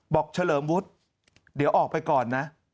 เฉลิมวุฒิเดี๋ยวออกไปก่อนนะ